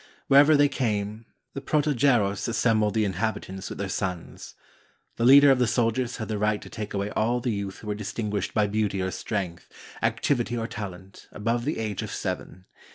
Wherever they came, the protogeros assembled the inhabitants with their sons. The leader of the soldiers had the right to take away all the youth who were distinguished by beauty or strength, activity or talent, above the age of seven.